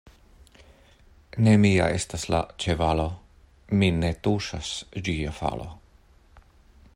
Ne mia estas la ĉevalo, min ne tuŝas ĝia falo.